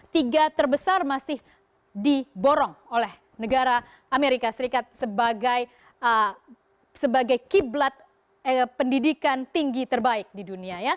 tiga terbesar masih diborong oleh negara amerika serikat sebagai kiblat pendidikan tinggi terbaik di dunia